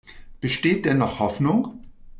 Besteht denn noch Hoffnung?